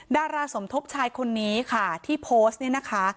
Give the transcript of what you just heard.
ดาราสมทบชายคนนี้ค่ะที่โพสต์เนี่ยนะคะ